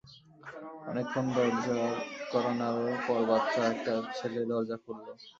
অনেকক্ষণ দরজার কড়া নাড়ার পর বাচ্চা একটা ছেলে দরজা খুলল।